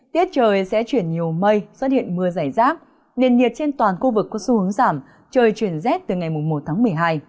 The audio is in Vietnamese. tiết trời sẽ chuyển nhiều mây xuất hiện mưa dày rác nền nhiệt trên toàn khu vực có xu hướng giảm trời chuyển rét từ ngày một tháng một mươi hai